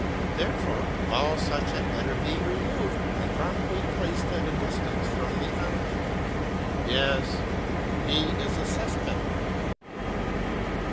Therefore, all such had better be removed and promptly placed at a distance from the array. Yes, he is a suspect.